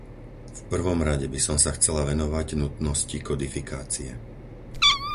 V prvom rade by som sa chcela venovať nutnosti kodifikácie.